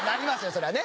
そりゃね。